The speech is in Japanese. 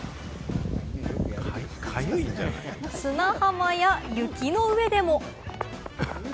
砂浜や雪の上でも。